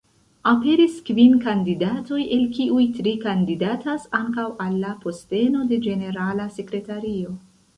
Aperis kvin kandidatoj, el kiuj tri kandidatas ankaŭ al la posteno de ĝenerala sekretario.